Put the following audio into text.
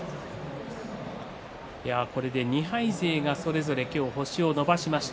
これで２敗勢がそれぞれ星を伸ばしました。